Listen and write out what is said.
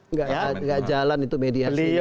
enggak jalan itu mediasinya